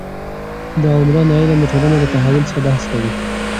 د عمران علم د ټولنې له تحول څخه بحث کوي.